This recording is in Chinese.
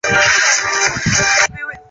这支远征队是从瓦尔帕莱索出发的。